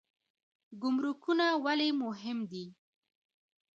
ګمرکونه ولې مهم دي؟